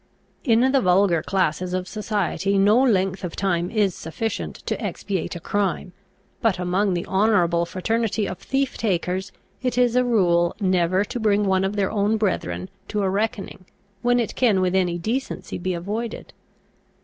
In the vulgar classes of society no length of time is sufficient to expiate a crime; but among the honourable fraternity of thief takers it is a rule never to bring one of their own brethren to a reckoning when it can with any decency be avoided.